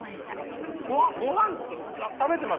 ごはん食べてます？